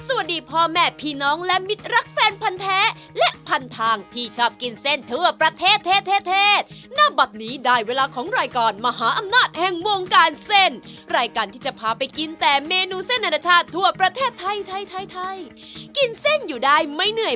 อันนี้เป็นรายการทั่วไปสามารถรับชมได้ทุกวัย